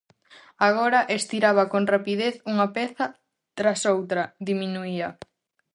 Agora estiraba con rapidez unha peza tras outra. diminuía.